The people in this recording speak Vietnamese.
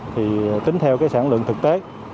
thì tính theo cái sản lượng thực tế